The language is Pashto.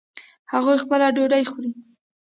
هغوی خپله ډوډۍ خوري